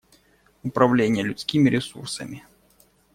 Управление людскими ресурсами.